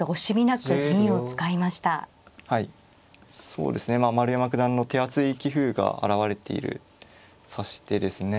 そうですね丸山九段の手厚い棋風が表れている指し手ですね。